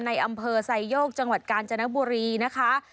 ในอำเภอไซโยกจังหวัดกาญจนบุรีนะคะ